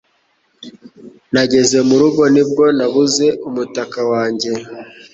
Nageze mu rugo ni bwo nabuze umutaka wanjye